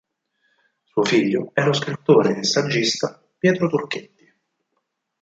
Suo figlio è lo scrittore e saggista Pietro Turchetti.